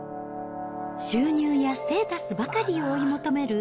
収入やステータスばかりを追い求める